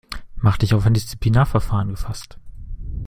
Mach dich auf ein Disziplinarverfahren gefasst.